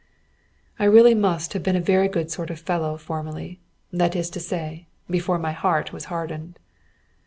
] I really must have been a very good sort of fellow formerly, that is to say, before my heart was hardened.